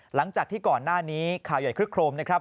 หลังจากที่ก่อนหน้านี้ข่าวใหญ่คลึกโครมนะครับ